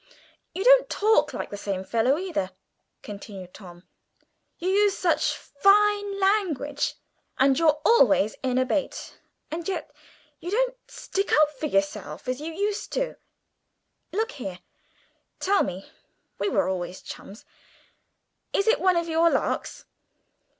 "You don't talk like the same fellow either," continued Tom; "you use such fine language, and you're always in a bait, and yet you don't stick up for yourself as you used to. Look here, tell me (we were always chums), is it one of your larks?"